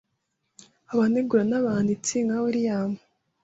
Abanegura n'abanditsi nka William